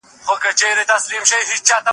ترتاقربان ترتاواری شم جانه